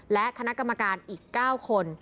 และคณะกรรมการอีก๙คน